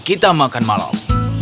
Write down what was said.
kita makan malam